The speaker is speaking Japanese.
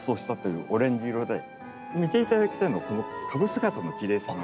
見ていただきたいのがこの株姿のきれいさなんです。